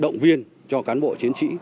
động viên cho cán bộ chiến sĩ